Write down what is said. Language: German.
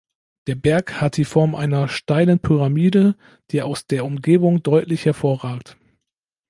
Der Berg hat die Form einer steilen Pyramide, die aus der Umgebung deutlich hervorragt.